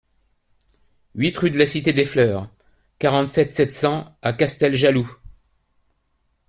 huit rue de la Cité des Fleurs, quarante-sept, sept cents à Casteljaloux